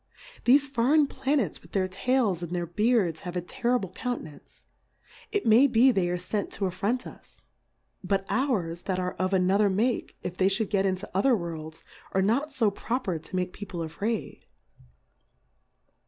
Thefe foreign Planets with their Tails and their Beards have a terrible Counte nance, it may be they are fent to affront us ; but ours that are of another Make, if they fliould get into other Worlds, are not fo proper to make People a iraid.